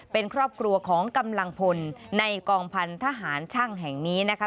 เป็นครอบครัวของกำลังพลในกองพันธหารช่างแห่งนี้นะคะ